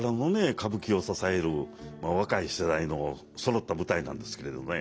歌舞伎を支える若い世代のそろった舞台なんですけれどね。